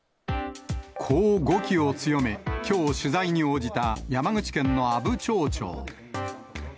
こう語気を強め、きょう取材に応じた、山口県の阿武町長。